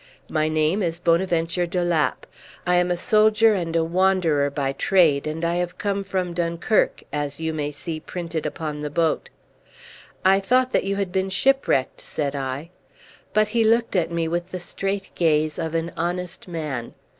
My name is Bonaventure de Lapp. I am a soldier and a wanderer by trade, and I have come from Dunkirk, as you may see printed upon the boat." "I thought that you had been shipwrecked!" said I. But he looked at me with the straight gaze of an honest man.